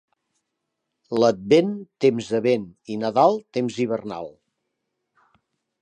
L'Advent, temps de vent, i Nadal, temps hivernal.